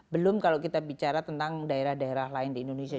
belum kalau kita bicara tentang daerah daerah lain di indonesia